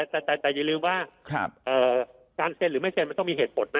แต่แต่แต่แต่อย่าลืมว่าครับเอ่อการเซ็นหรือไม่เซ็นมันต้องมีเหตุผลนะ